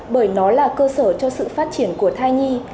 bởi nó là cơ sở cho sự phát triển của thai nhi